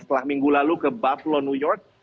setelah minggu lalu ke bubplo new york